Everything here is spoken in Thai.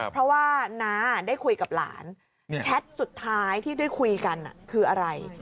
เพราะว่าน้าได้คุยกับหลานแชทสุดท้ายที่ได้คุยกันคืออะไร